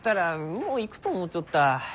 もういくと思うちょった。